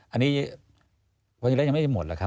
อันนี้พอดีแล้วยังไม่ได้หมดหรอกครับ